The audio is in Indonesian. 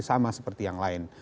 sama seperti yang lain